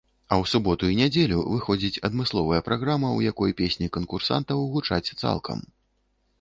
А ў суботу і нядзелю выходзіць адмысловая праграма, у якой песні канкурсантаў гучаць цалкам.